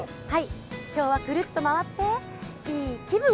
今日はくるっと回っていい気分！